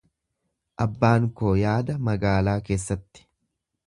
Abbaan koo yaada magaalaa keessatti.